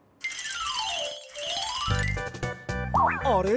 あれ？